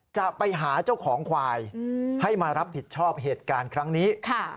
จะไปหาเจ้าของควายให้มารับผิดชอบเหตุการณ์ครั้งนี้